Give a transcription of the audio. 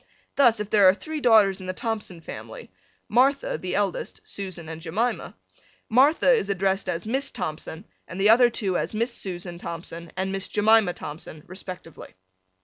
Thus if there are three daughters in the Thompson family Martha, the eldest, Susan and Jemina, Martha is addressed as Miss Thompson and the other two as Miss Susan Thompson and Miss Jemina Thompson respectively.